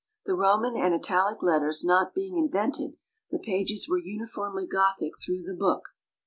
The Roman and Italic letters not being invented, the pages were uniformly Gothic through the book.